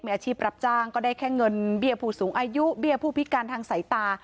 มีอาชีพรับจ้างก็ได้แค่เงินเบี้ยผู้สูงอายุเบี้ยผู้พิการทางสายตา